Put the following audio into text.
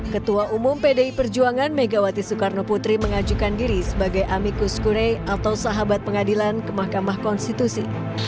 ketua umum pdi perjuangan megawati soekarno putri mengajukan diri sebagai amikus kure atau sahabat pengadilan ke mahkamah konstitusi